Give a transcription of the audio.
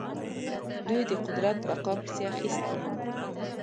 دوی د قدرت بقا پسې اخیستي وو.